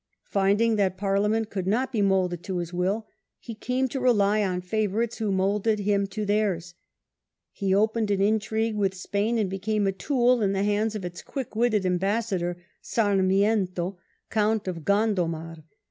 Finding that Parliament could not be moulded to his will, Second period he Came to rely on favourites who moulded of the reign, him to theirs. He opened an intrigue with Spain, and Became a tool in the hands of its quick witted ambassador, Sarmiento, Count of Gondomar.